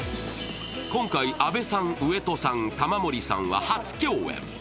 今回、阿部さん、上戸さん、玉森さんは初共演。